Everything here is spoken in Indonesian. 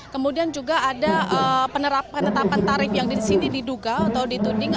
kemudian juga ada penetapan tarif yang di sini diduga atau dituding